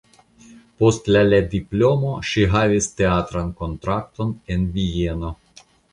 Post la diplomo ŝi havis teatran kontrakton en Vieno.